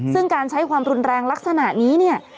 ซึ่งการใช้ความรุนแรงลักษณะนี้เนี่ย